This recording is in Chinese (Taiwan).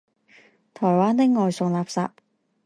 台灣的外送垃圾